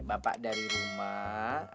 bapak dari rumah